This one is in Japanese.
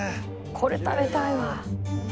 これ食べたいわ。